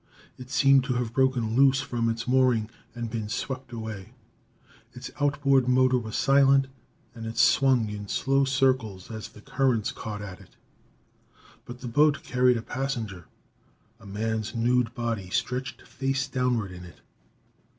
It seemed to have broken loose from its mooring and been swept away; its outboard motor was silent and it swung in slow circles as the currents caught at it. But the boat carried a passenger. A man's nude body stretched face downward in it.